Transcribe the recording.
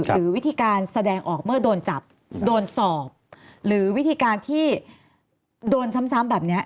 หรือวิธีการแสดงออกเมื่อโดนจับโดนสอบหรือวิธีการที่โดนซ้ำแบบนี้